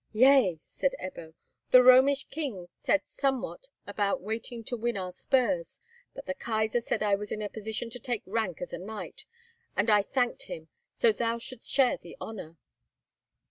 "Yea," said Ebbo. "The Romish king said somewhat about waiting to win our spurs; but the Kaisar said I was in a position to take rank as a knight, and I thanked him, so thou shouldst share the honour."